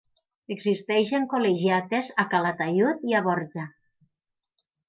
Existeixen col·legiates a Calataiud i a Borja.